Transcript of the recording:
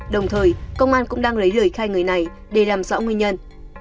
đồng thời công an cũng đang lấy lời khai người này để làm rõ nguyên nhân